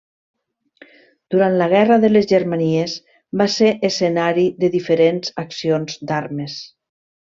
Durant la Guerra de les Germanies va ser escenari de diferents accions d'armes.